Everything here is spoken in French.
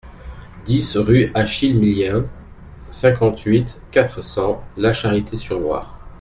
dix rue Achille Millien, cinquante-huit, quatre cents, La Charité-sur-Loire